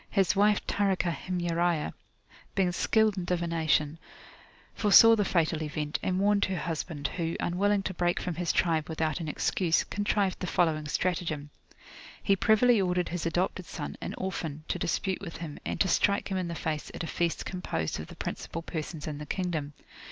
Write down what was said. His wife Tarikah Himyariah, being skilled in divination, foresaw the fatal event, and warned her husband, who, unwilling to break from his tribe without an excuse, contrived the following stratagem. He privily ordered his adopted son, an orphan [p.349]to dispute with him, and to strike him in the face at a feast composed of the principal persons in the kingdom.